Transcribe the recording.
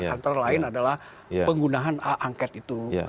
antara lain adalah penggunaan angket itu